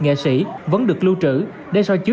nghệ sĩ vẫn được lưu trữ để so chiếu